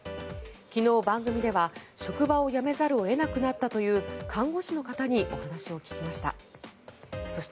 昨日、番組では職場を辞めざるを得なくなったという看護師の方にお話を聞きました。